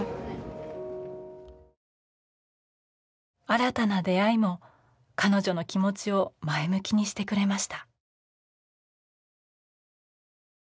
新たな出会いも彼女の気持ちを前向きにしてくれました。